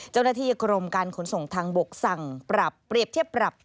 เจ้าหน้าที่กรมการขนส่งทางบกสั่งปรับเปรียบเทียบปรับ